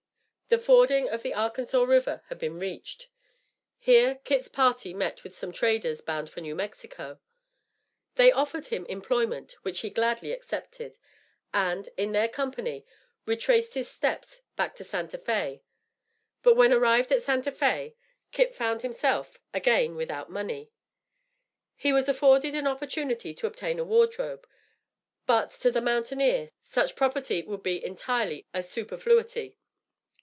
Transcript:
The fording of the Arkansas River had been reached. Here Kit's party met with some traders bound for New Mexico. They offered him employment, which he gladly accepted; and, in their company, retraced his steps back to Santa Fé But when arrived at Santa Fé, Kit found himself again without money. He was afforded an opportunity to obtain a wardrobe, but to the mountaineer, such property would be entirely a superfluity.